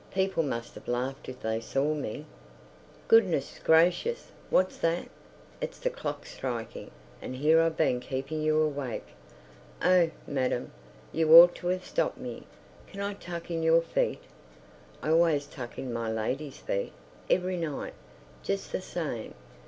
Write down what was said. People must have laughed if they saw me.... ... Goodness gracious!—What's that? It's the clock striking! And here I've been keeping you awake. Oh, madam, you ought to have stopped me.... Can I tuck in your feet? I always tuck in my lady's feet, every night, just the same.